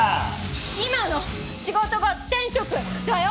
今の仕事が天職だよ！